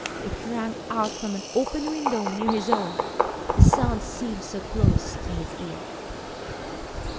It rang out from an open window near his own. The sound seemed close to his ear.